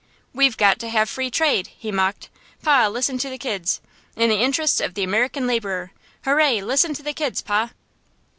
"We've got to have free trade," he mocked. "Pa, listen to the kids! 'In the interests of the American laborer.' Hoo ray! Listen to the kids, pa!"